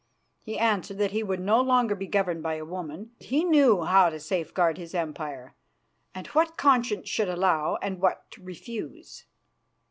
He answered that he would no longer be governed by a woman; that he knew how to safeguard his empire, and what conscience should allow and what refuse.